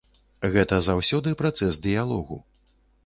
Гэта заўсёды працэс дыялогу.